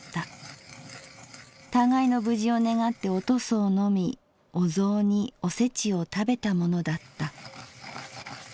互いの無事を願ってお屠蘇を飲みお雑煮おせちを食べたものだった」。